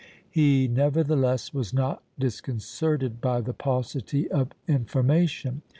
He, nevertheless, was not disconcerted by the paucity of information.